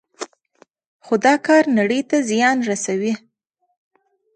خو دا کار نړۍ ته زیان رسوي.